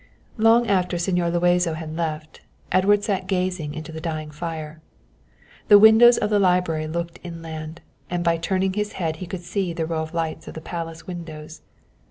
Long after Señor Luazo had left, Edward sat gazing into the dying fire. The windows of the library looked inland, and by turning his head he could see the row of lights in the Palace windows.